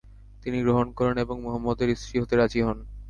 তিনি গ্রহণ করেন এবং মুহাম্মদের স্ত্রী হতে রাজি হন।